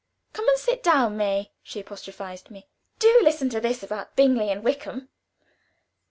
"Come and sit down, May," she apostrophized me. "Do listen to this about Bingley and Wickham."